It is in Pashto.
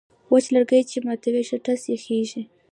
وچ لرگی چې ماتوې، ښه ټس یې خېژي.